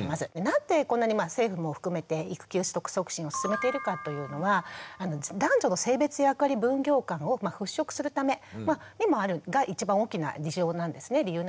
なんでこんなに政府も含めて育休取得促進を進めているかというのは男女の性別役割分業感を払拭するためでもあるが一番大きな理由なんですね。